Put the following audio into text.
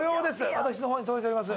私の方に届いております。